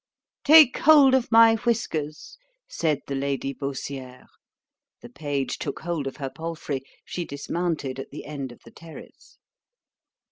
Take hold of my whiskers, said the Lady Baussiere—The page took hold of her palfrey. She dismounted at the end of the terrace.